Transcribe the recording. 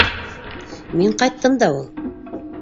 Мин ҡайттым да ул...